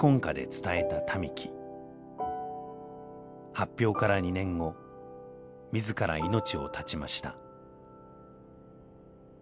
発表から２年後自ら命を絶ちました。